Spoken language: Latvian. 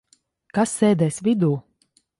Kas sēdēs vidū?